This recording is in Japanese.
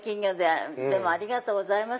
ありがとうございます